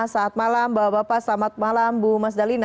selamat malam bapak bapak selamat malam bu mas dalina